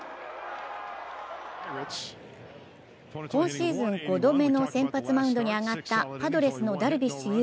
今シーズン５度目の先発マウンドに上がったパドレスのダルビッシュ有。